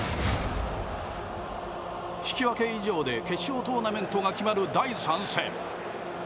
引き分け以上で決勝トーナメントが決まる第３戦。